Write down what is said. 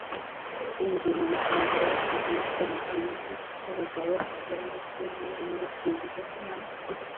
binjiye mu rusengero batuje maze bumva amajwi y’abagabo, abagore ndetse n’abana basingiza imana